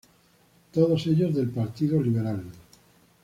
Todos ellos del Partido Liberal.